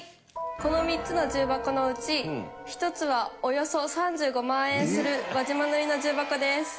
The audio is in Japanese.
この３つの重箱のうち１つはおよそ３５万円する輪島塗の重箱です。